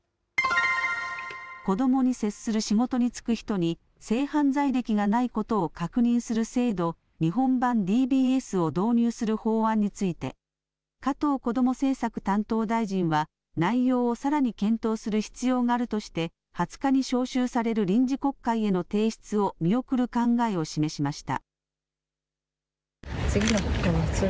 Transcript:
子どもに接する仕事に就く人に、性犯罪歴がないことを確認する制度、日本版ＤＢＳを導入する法案について、加藤こども政策担当大臣は内容をさらに検討する必要があるとして、２０日に召集される臨時国会への提出を見送る考えを示しました。